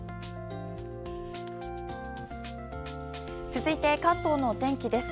続いて関東の天気です。